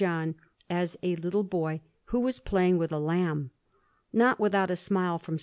John, as a little boy, who was playing with a lamb; not without a smile from S.